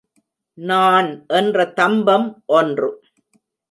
நான் என்ற தம்பம் ஒன்று.